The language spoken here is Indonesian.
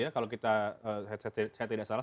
kalau saya tidak salah